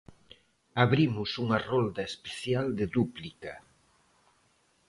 Abrimos unha rolda especial de dúplica.